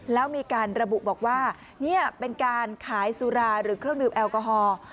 แล้วมีการระบุบอกว่านี่เป็นการขายสุราหรือเครื่องดื่มแอลกอฮอล์